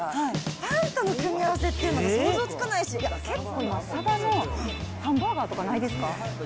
パンとの組み合わせっていうのが、想像つかないし、結構、マサバのハンバーガーとか、ないですか。